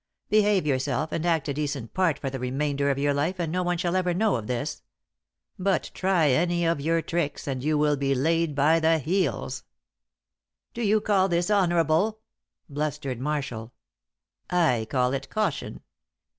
Behave yourself, and act a decent part for the remainder of your life, and no one shall ever know of this. But try any of your tricks and you will be laid by the heels." "Do you call this honourable?" blustered Marshall. "I call it caution.